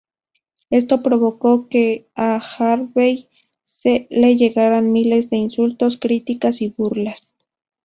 Esto provocó que a Harvey le llegaran miles de insultos, críticas y burlas.